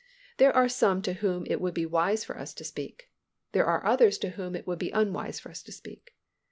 There are some to whom it would be wise for us to speak. There are others to whom it would be unwise for us to speak.